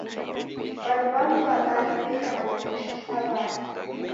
W'andu w'amu wabaha weka na maghesho sa w'ana.